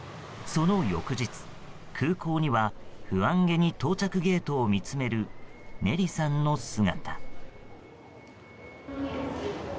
その翌日、空港には不安気に到着ゲートを見つめるネリさんの姿。